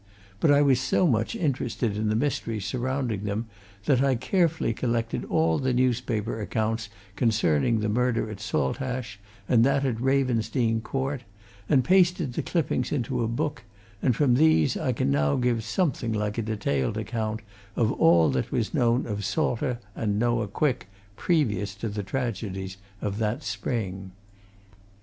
But I was so much interested in the mystery surrounding them that I carefully collected all the newspaper accounts concerning the murder at Saltash and that at Ravensdene Court, and pasted the clippings into a book, and from these I can now give something like a detailed account of all that was known of Salter and Noah Quick previous to the tragedies of that spring.